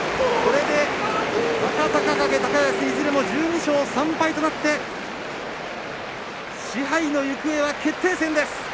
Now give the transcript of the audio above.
これで若隆景、高安１２勝３敗となって賜盃の行方は決定戦です。